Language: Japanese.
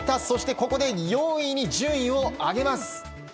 そしてここで４位に順位を上げます。